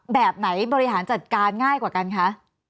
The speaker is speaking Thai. แบบไหนบริหารจัดการง่ายกว่ากันคะ